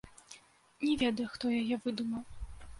Не ведаю, хто яе выдумаў.